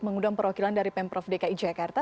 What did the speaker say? mengundang perwakilan dari pemprov dki jakarta